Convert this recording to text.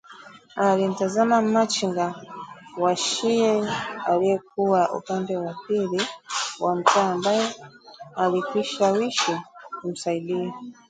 Alimtazama machinga; Washie aliyekuwa upande wa pili wa mtaa ambaye alikwishawahi kumsaidia